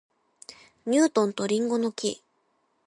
ニュートンと林檎の木